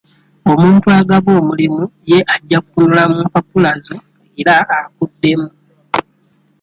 Omuntu agaba omulimu ye ajja kutunula mu mpapula zo era akuddemu.